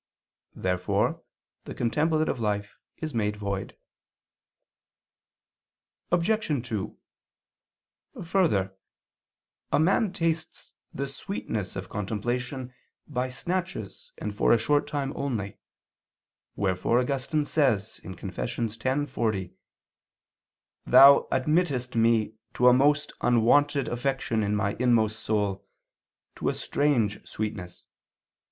Therefore the contemplative life is made void. Obj. 2: Further, a man tastes the sweetness of contemplation by snatches and for a short time only: wherefore Augustine says (Confess. x, 40), "Thou admittest me to a most unwonted affection in my inmost soul, to a strange sweetness